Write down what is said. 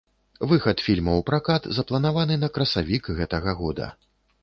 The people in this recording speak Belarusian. Выхад фільма ў пракат запланаваны на красавік гэтага года.